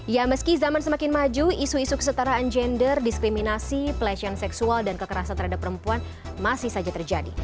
ya meski zaman semakin maju isu isu kesetaraan gender diskriminasi pelecehan seksual dan kekerasan terhadap perempuan masih saja terjadi